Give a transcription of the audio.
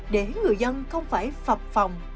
để người dân không phải phập phòng